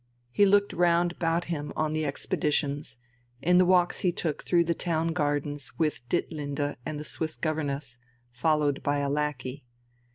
He looked round about him on the expeditions, in the walks he took through the town gardens with Ditlinde and the Swiss governess, followed by a lackey.